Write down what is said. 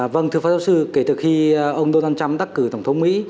vâng thưa phó giáo sư kể từ khi ông donald trump đắc cử tổng thống mỹ